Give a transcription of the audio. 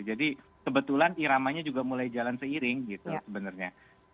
jadi sebetulan iramanya juga mulai jalan seiring gitu sebenarnya